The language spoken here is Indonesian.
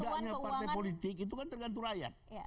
tidaknya partai politik itu kan tergantung rakyat